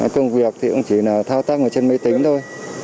công việc thì cũng chỉ là thao tác ở trên máy tính thôi